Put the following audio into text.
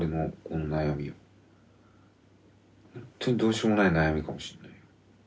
ほんっとにどうしようもない悩みかもしれない。